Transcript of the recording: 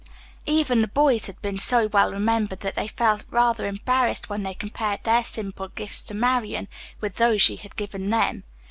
Even the boys had been so well remembered that they felt rather embarrassed when they compared their simple gifts to Marian with those she had given them.